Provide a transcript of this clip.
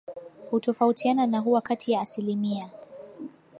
hutofautiana na huwa kati ya asilimia